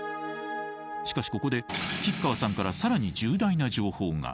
しかしここで吉川さんから更に重大な情報が。